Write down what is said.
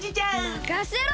まかせろ！